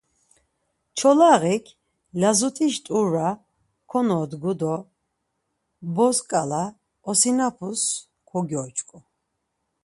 Çola-ğik lazut̆iş t̆uvra konodgu do boz’ǩala osinapus kogyo-ç̌ǩu.